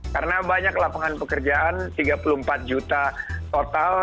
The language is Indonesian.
karena banyak lapangan pekerjaan tiga puluh empat juta total